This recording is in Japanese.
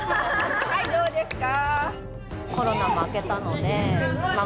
はいどうですか？